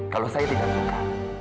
kalau saya tidak suka